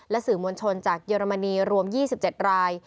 สื่อมวลชนจากเยอรมนีรวม๒๗ราย